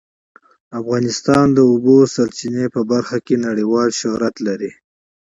افغانستان د د اوبو سرچینې په برخه کې نړیوال شهرت لري.